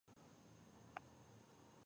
په دوبي کې تودوخه نوي درجو ته رسیږي